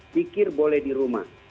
pikir boleh di rumah